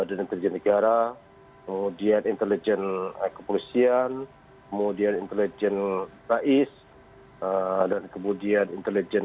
dari dpr tadi